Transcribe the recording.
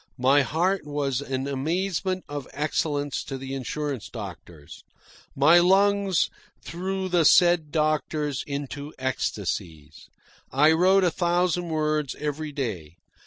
My heart was an amazement of excellence to the insurance doctors. My lungs threw the said doctors into ecstasies. I wrote a thousand words every day.